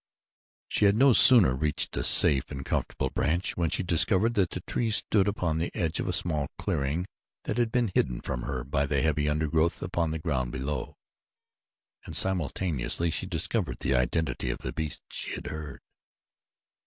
She had no sooner reached a safe and comfortable branch when she discovered that the tree stood upon the edge of a small clearing that had been hidden from her by the heavy undergrowth upon the ground below, and simultaneously she discovered the identity of the beasts she had heard.